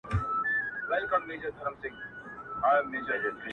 بس دے کـــــــۀ لا کار د ثواب پاتې دی